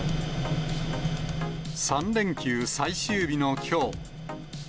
３連休最終日のきょう。